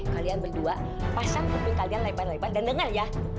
kalian berdua pasang mungkin kalian lebar lebar dan dengar ya